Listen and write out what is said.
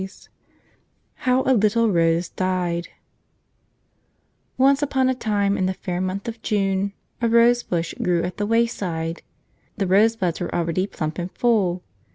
33 l])oU) a Little IRose DieD ONCE upon a time in the fair month of June a rosebush grew at the wayside. The rose¬ buds were already plump and full.